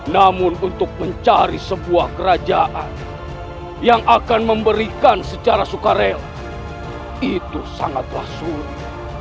namun untuk mencari sebuah kerajaan yang akan memberikan secara sukarela itu sangatlah sulit